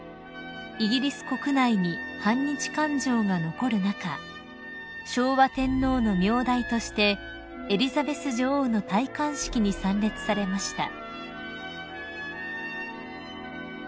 ［イギリス国内に反日感情が残る中昭和天皇の名代としてエリザベス女王の戴冠式に参列されました］